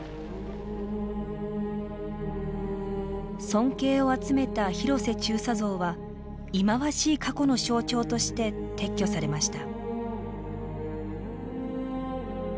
尊敬を集めた広瀬中佐像は忌まわしい過去の象徴として撤去されました。